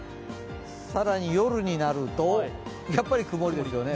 更に夜になるとやっぱり曇りですよね。